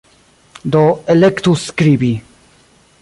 Do, elektu "skribi"